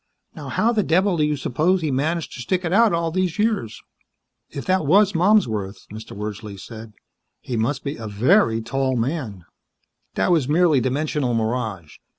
"Now how the devil do you suppose he managed to stick it out all these years!" "If that was Malmsworth," Mr. Wordsley said, "he must be a very tall man." "That was merely dimensional mirage.